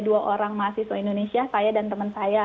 dua orang mahasiswa indonesia saya dan teman saya